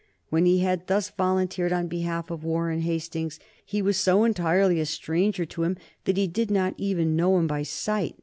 When he had thus volunteered on behalf of Warren Hastings he was so entirely a stranger to him that he did not even know him by sight.